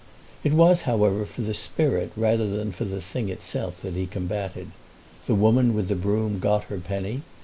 It was, however, for the spirit rather than for the thing itself that he combatted. The woman with the broom got her penny.